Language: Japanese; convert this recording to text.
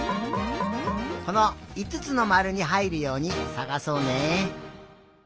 このいつつのまるにはいるようにさがそうね。